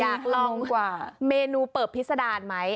อยากลองเมนูเปิบพฤษดาลไหม